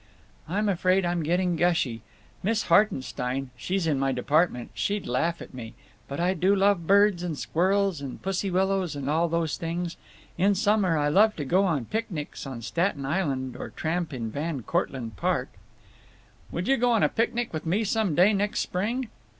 "I'm afraid I'm getting gushy. Miss Hartenstein—she's in my department—she'd laugh at me…. But I do love birds and squirrels and pussy willows and all those things. In summer I love to go on picnics on Staten Island or tramp in Van Cortlandt Park." "Would you go on a picnic with me some day next spring?"